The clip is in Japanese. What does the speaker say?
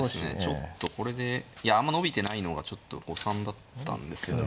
ちょっとこれでいやあんま伸びてないのがちょっと誤算だったんですよね。